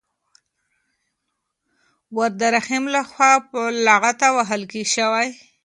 ور د رحیم لخوا په لغته ووهل شو.